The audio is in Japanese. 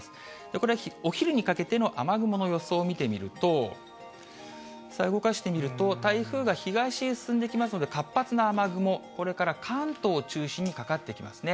これはお昼にかけての雨雲の予想を見てみると、動かしてみると、台風が東へ進んできますので、活発な雨雲、これから関東を中心にかかってきますね。